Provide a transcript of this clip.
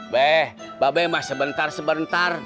be mbak be mbak sebentar sebentar